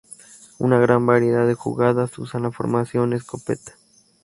Una gran variedad de jugadas usan la formación escopeta.